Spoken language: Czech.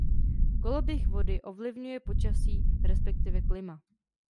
Koloběh vody ovlivňuje počasí respektive klima.